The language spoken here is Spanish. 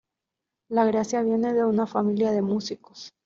La gracia viene de una familia de músicos.